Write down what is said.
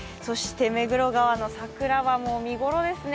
目黒川の桜はもう見頃ですね。